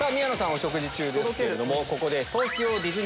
お食事中ですけどここで。